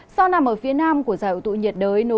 sau nằm ở phía nam của giải ủ tụ nhiệt đới